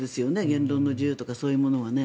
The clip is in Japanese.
言論の自由とかそういうものはね。